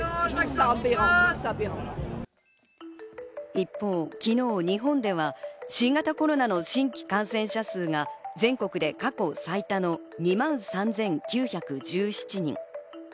一方、昨日、日本では新型コロナの新規感染者数が全国で過去最多の２万３９１７人。